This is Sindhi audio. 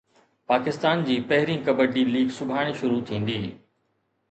پاڪستان جي پهرين ڪبڊي ليگ سڀاڻي شروع ٿيندي